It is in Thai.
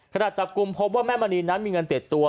ขณะจับกลุ่มพบว่าแม่มณีนั้นมีเงินติดตัว